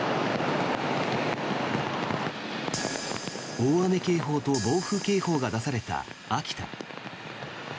大雨警報と暴風警報が出された秋田。